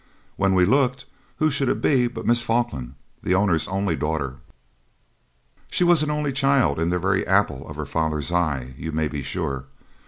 When we looked who should it be but Miss Falkland, the owner's only daughter. She was an only child, and the very apple of her father's eye, you may be sure.